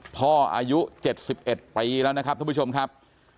อายุ๗๑ปีแล้วนะครับท่านผู้ชมครับ